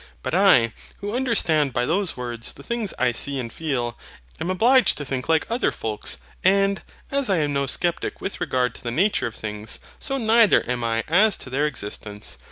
But I, who understand by those words the things I see and feel, am obliged to think like other folks. And, as I am no sceptic with regard to the nature of things, so neither am I as to their existence.